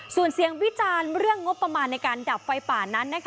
ส่วนเสียงวิจารณ์เรื่องงบประมาณในการดับไฟป่านั้น